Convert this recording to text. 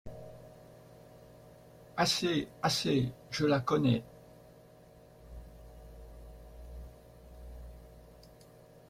Assez, assez, je la connais…